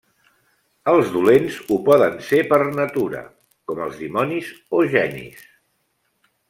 Els dolents ho poden ser per natura, com els dimonis o genis.